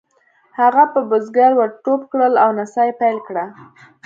هغه په بزګر ور ټوپ کړل او نڅا یې پیل کړه.